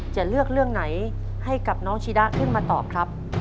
จะเลือกเรื่องไหนให้กับน้องชีดะขึ้นมาตอบครับ